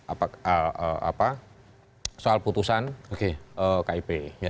apa soal putusan kip